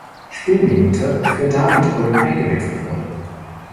Spielminute für David Ulm eingewechselt wurde.